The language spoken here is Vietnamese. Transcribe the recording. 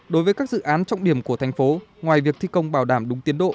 đối với các dự án trọng điểm của thành phố ngoài việc thi công bảo đảm đúng tiến độ